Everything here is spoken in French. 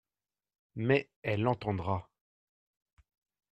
Mais elle entendra.